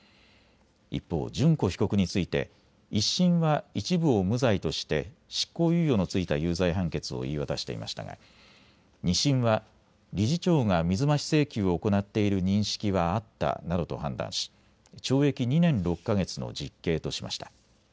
一方、諄子被告について１審は一部を無罪として執行猶予の付いた有罪判決を言い渡していましたが２審は理事長が水増し請求を行っている認識はあったなどと判断し懲役２年６か月の実刑としました。